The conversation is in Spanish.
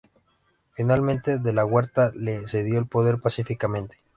Finalmente, De la Huerta le cedió el poder pacíficamente.